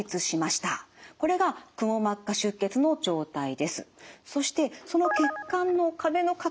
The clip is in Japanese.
これがくも膜下出血の状態です。